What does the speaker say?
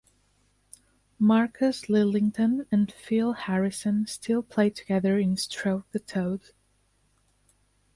Marcus Lillington and Phil Harrison still play together in "Stroke the Toad".